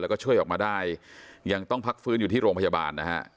แล้วก็ช่วยออกมาได้ยังต้องพักฟื้นอยู่ที่โรงพยาบาลนะฮะ